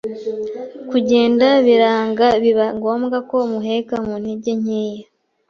kugenda biranga biba ngombwa ko muheka mu ntege nkeya